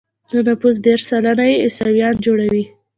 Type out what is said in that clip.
د نفوسو دېرش سلنه يې عیسویان جوړوي.